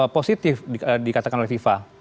positif dikatakan oleh fifa